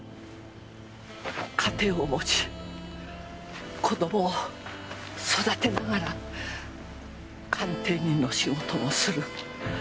家庭を持ち子供を育てながら鑑定人の仕事もする。